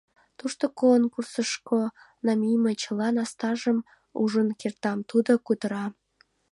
Тушто конкурсышко намийыме чыла насташтым ужын кертам, — тудо кутыра.